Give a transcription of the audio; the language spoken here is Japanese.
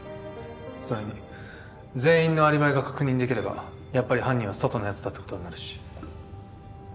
それに全員のアリバイが確認できればやっぱり犯人は外のやつだってことになるし。